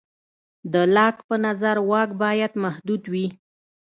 د لاک په نظر واک باید محدود وي.